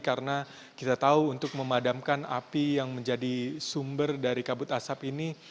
karena kita tahu untuk memadamkan api yang menjadi sumber dari kabut asap ini